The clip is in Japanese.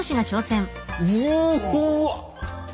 うわ！